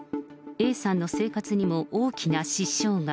Ａさんの生活にも大きな支障が。